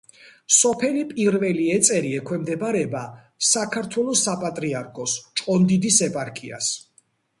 სოფელი პირველი ეწერი ექვემდებარება საქართველოს საპატრიარქოს ჭყონდიდის ეპარქიას.